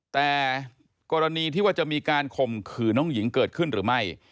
แต่กรณีที่ว่าจะมีการข่มขืนน้องหญิงเกิดขึ้นหรือไม่